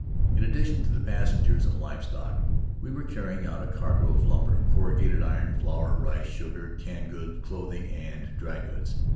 In addition to the passengers and live stock, we were carrying out a cargo of lumber, corrugated iron, flour, rice, sugar, canned goods, clothing, and dry goods.